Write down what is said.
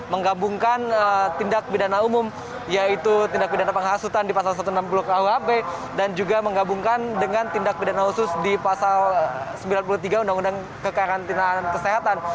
menggabungkan tindak pidana umum yaitu tindak pidana penghasutan di pasal satu ratus enam puluh kuap dan juga menggabungkan dengan tindak pidana khusus di pasal sembilan puluh tiga undang undang kekarantinaan kesehatan